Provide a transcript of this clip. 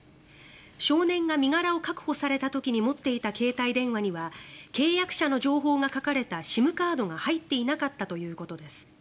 少年が身柄を確保された時に持っていた携帯電話には契約者の情報が書かれたＳＩＭカードが入っていなかったということです。